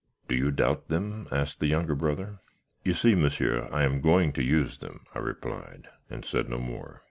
"'Do you doubt them?' asked the younger brother. "'You see, monsieur, I am going to use them,' I replied, and said no more.